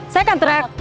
saya akan terang